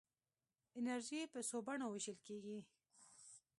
انرژي په څو بڼو ویشل کېږي.